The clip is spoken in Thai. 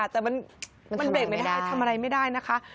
แต่มันเบรกไม่ได้ทำอะไรไม่ได้นะคะ